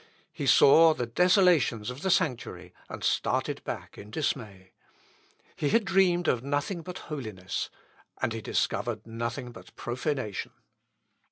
He saw the desolations of the sanctuary, and started back in dismay. He had dreamed of nothing but holiness, and he discovered nothing but profanation.